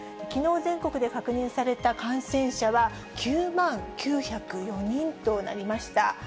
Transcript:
きのう全国で確認された感染者は、９万９０４人となりました。